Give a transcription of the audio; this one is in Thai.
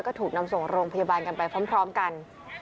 ก็ถูกนำส่งโรงพยาบาลกันไปพร้อมกัน